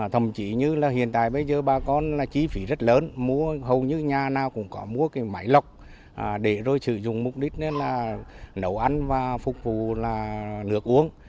thậm chí như là hiện tại bây giờ bà con là chi phí rất lớn mua hầu như nhà nào cũng có mua cái máy lọc để rồi sử dụng mục đích là nấu ăn và phục vụ là nước uống